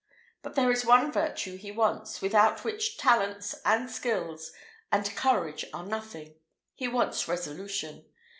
But there is one virtue he wants, without which talents, and skill, and courage are nothing he wants resolution.